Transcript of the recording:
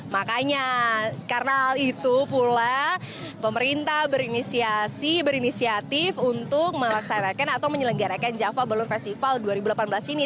makanya karena hal itu pula pemerintah berinisiatif untuk melaksanakan atau menyelenggarakan java balloon festival dua ribu delapan belas ini